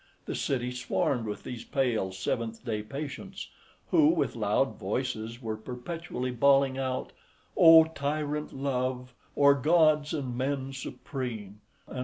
The city swarmed with these pale seventh day patients, who, with loud voices, were perpetually bawling out "O tyrant love, o'er gods and men supreme," etc.